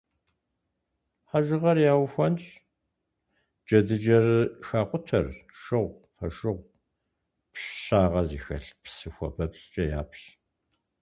Хьэжыгъэр яухуэнщӏ, джэдыкӏэр хакъутэр шыгъу, фошыгъу, пщагъэ зыхэлъ псы хуабэпцӏкӏэ япщ.